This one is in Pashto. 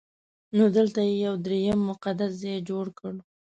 نو دلته یې یو درېیم مقدس ځای جوړ کړ.